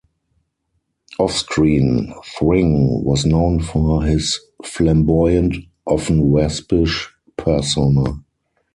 Off-screen, Thring was known for his flamboyant, often waspish, persona.